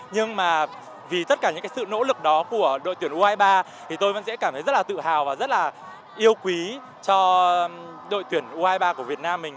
nhưng mà vì tất cả những sự nỗ lực đó của đội tuyển u hai mươi ba thì tôi vẫn sẽ cảm thấy rất là tự hào và rất là yêu quý cho đội tuyển u hai mươi ba của việt nam mình